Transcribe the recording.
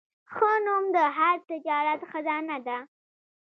ښه نوم د هر تجارت خزانه ده.